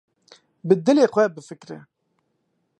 Bi dilê xwe bifikre.